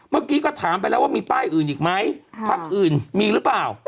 เมื่อกี้ก็ถามไปแล้วว่ามีป้ายอื่นอีกไหมพักอื่นมีหรือเปล่า